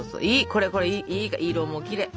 これこれいい色もきれい！